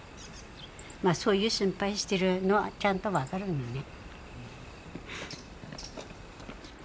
まあそういう心配してるのはちゃんと分かるんだよね。